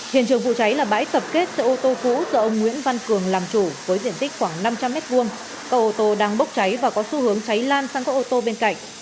hiện trường vụ cháy là bãi tập kết xe ô tô cũ do ông nguyễn văn cường làm chủ với diện tích khoảng năm trăm linh m hai cầu ô tô đang bốc cháy và có xu hướng cháy lan sang các ô tô bên cạnh